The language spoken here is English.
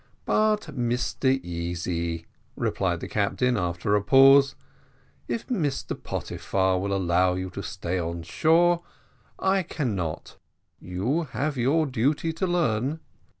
"But, Mr Easy," replied the captain, after a pause, "if Mr Pottyfar will allow you to stay on shore, I cannot you have your duty to learn.